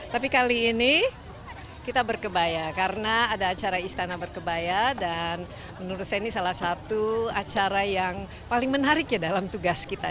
tapi kali ini kita berkebaya karena ada acara istana berkebaya dan menurut saya ini salah satu acara yang paling menarik ya dalam tugas kita